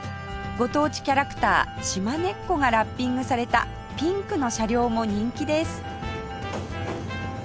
ご当地キャラクターしまねっこがラッピングされたピンクの車両も人気です